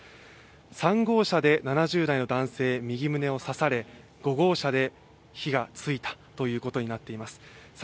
３号車で７０代の男性右胸を刺され５号車で火がついたということになっています。